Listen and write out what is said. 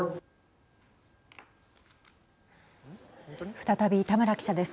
再び田村記者です。